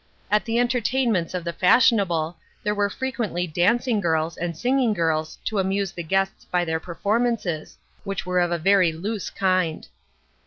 At the entertainments of the fashionable, there were frequently dancing girls and singing girls to amuse the guests by their performances, which were of a very loose kind.